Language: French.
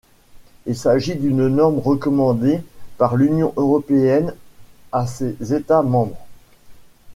Il s'agit d'une norme recommandée par l’Union européenne à ses États membres.